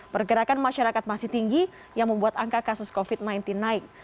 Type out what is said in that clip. pergerakan masyarakat masih tinggi yang membuat angka kasus covid sembilan belas naik